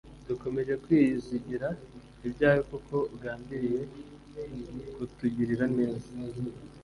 Dukomeje kwizigira ibyawe kuko ugambiriye dkutugirira neza